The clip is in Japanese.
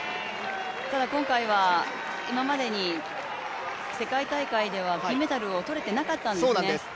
ただ今回は今までに世界大会では金メダルを取れてなかったんですね。